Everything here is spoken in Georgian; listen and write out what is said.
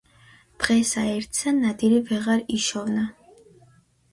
დღესა ერთსა ნადირი ვეღარ იშოვნა,